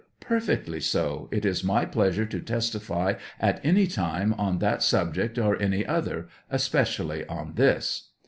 Perfectly so ; it is my pleasure to testify at any time on that subject or any other, especially on this.